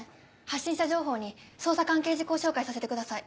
発信者情報に捜査関係事項照会させてください。